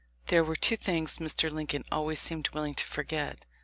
There were two things Mr. Lincoln always seemed willing to forget.